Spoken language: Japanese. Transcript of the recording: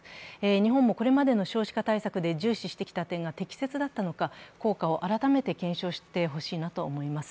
日本もこれまでの少子化対策で重視してきた点が適切だったのか効果を改めて検証してほしいなと思います。